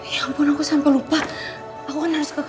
ya ampun aku sampai lupa aku kan harus ke